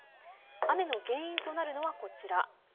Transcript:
雨の原因となるのはこちら。